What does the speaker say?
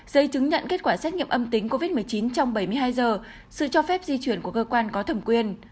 giấy chứng nhận kết quả xét nghiệm âm tính covid một mươi chín trong bảy mươi hai giờ sự cho phép di chuyển của cơ quan có thẩm quyền